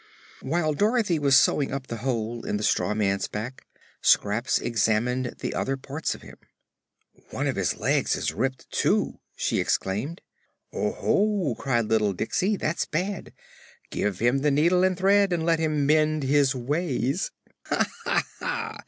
While Dorothy was sewing up the hole in the straw man's back Scraps examined the other parts of him. "One of his legs is ripped, too!" she exclaimed. "Oho!" cried little Diksey; "that's bad. Give him the needle and thread and let him mend his ways." "Ha, ha, ha!"